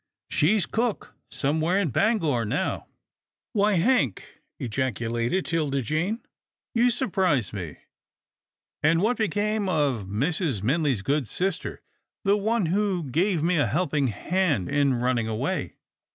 She's cook somewhere in Bangor now." "Why, Hank!" ejaculated 'Tilda Jane, "you surprise me, and what became of Mrs. Minley's good sister — the one who gave me a helping hand in running away?